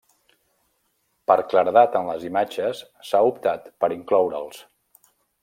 Per claredat en les imatges s'ha optat per incloure'ls.